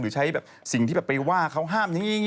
หรือใช้แบบสิ่งที่ไปว่าเขาห้าม